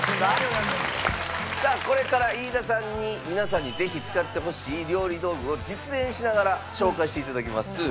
さあこれから飯田さんに皆さんにぜひ使ってほしい料理道具を実演しながら紹介していただきます。